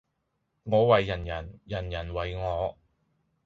我為人人，人人為我